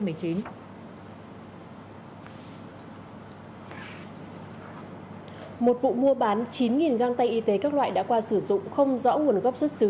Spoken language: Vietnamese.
một vụ mua bán chín găng tay y tế các loại đã qua sử dụng không rõ nguồn gốc xuất xứ